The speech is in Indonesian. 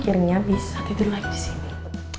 akhirnya bisa tidur lagi disini